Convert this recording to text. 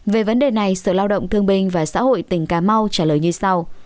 về vấn đề này sở lao động thương binh và xã hội tỉnh cà mau trả lời như sau